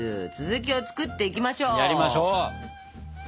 やりましょう。